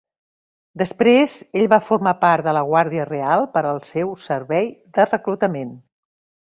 Després, ell va formar part de la Guàrdia Real per al seu servei de reclutament.